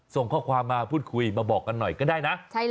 ส่งข้อความมาพูดคุยมาบอกกันหน่อยก็ได้นะ